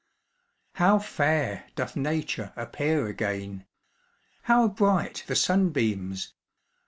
How fair doth Nature Appear again! How bright the sunbeams!